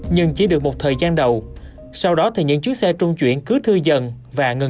nhưng chỉ được một thời gian đầu sau đó thì những chiếc xe trung chuyển cứ thư dần và ngừng hẳn